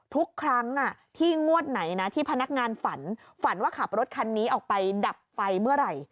ทุกครั้งที่งวดไหนนะที่พนักงานฝันฝันว่าขับรถคันนี้ออกไปดับไฟเมื่อไหร่